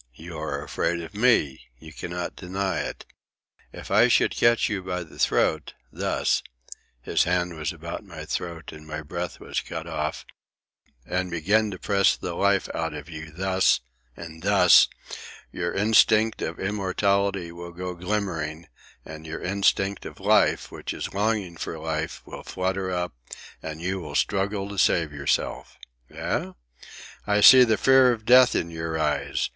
You are afraid of me. You cannot deny it. If I should catch you by the throat, thus,"—his hand was about my throat and my breath was shut off,—"and began to press the life out of you thus, and thus, your instinct of immortality will go glimmering, and your instinct of life, which is longing for life, will flutter up, and you will struggle to save yourself. Eh? I see the fear of death in your eyes.